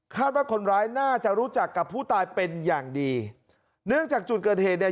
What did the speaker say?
ว่าคนร้ายน่าจะรู้จักกับผู้ตายเป็นอย่างดีเนื่องจากจุดเกิดเหตุเนี่ย